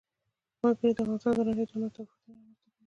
وګړي د افغانستان د ناحیو ترمنځ تفاوتونه رامنځ ته کوي.